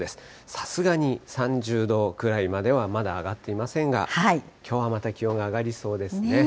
さすがに３０度くらいまではまだ上がっていませんが、きょうはまた気温が上がりそうですね。